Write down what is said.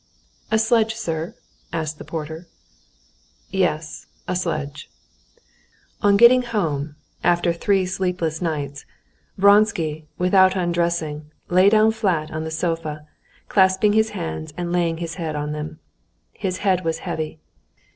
"A sledge, sir?" asked the porter. "Yes, a sledge." On getting home, after three sleepless nights, Vronsky, without undressing, lay down flat on the sofa, clasping his hands and laying his head on them. His head was heavy.